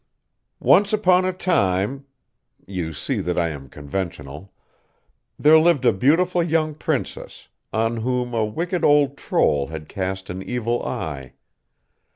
"Once upon a time you see that I am conventional there lived a beautiful young princess, on whom a wicked old troll had cast an evil eye.